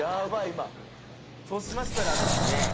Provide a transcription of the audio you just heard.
今そうしましたらですね